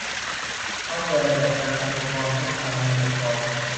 ซอฟต์แวร์จัดการอุปกรณ์พกพาในองค์กร